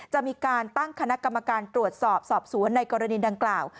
จะมีการตั้งคณะกรรมการตรวจสอบสอบสวนในกรณีดังกล่าว